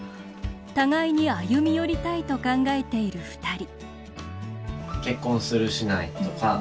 互いに歩み寄りたいと考えている、ふたり。